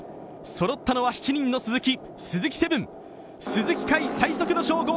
そろったのは７人の鈴木。